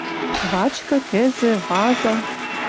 Вачкы, кӹзӹ, ваза